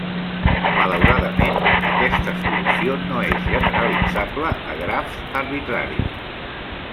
Malauradament, aquesta solució no és generalitzable a grafs arbitraris.